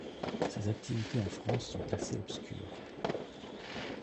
Ses activités en France sont assez obscures.